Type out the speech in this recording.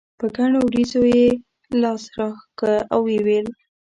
په ګڼو وريځو یې لاس راښکه او یې وویل.